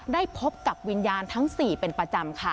ได้พบกับวิญญาณทั้ง๔เป็นประจำค่ะ